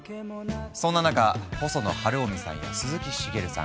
そんな中細野晴臣さんや鈴木茂さん